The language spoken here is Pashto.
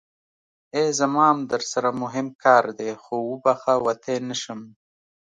ای زما ام درسره موهم کار دی خو وبښه وتی نشم.